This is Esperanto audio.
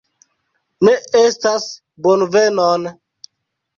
Ne estas bonvenon